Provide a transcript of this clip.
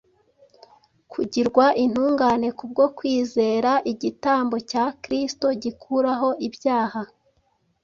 kugirwa intungane kubwo kwizera igitambo cya Kristo gikuraho ibyaha.